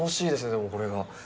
でもこれが。